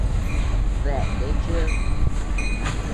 ¿Dea tee cheʼed?